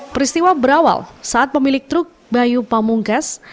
peristiwa berawal saat pemilik truk bayu pamungkas